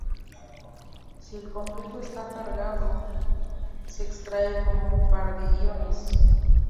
Si el complejo está cargado, se extrae como un par de iones.